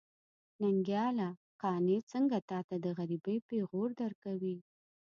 ننګياله! قانع څنګه تاته د غريبۍ پېغور درکوي.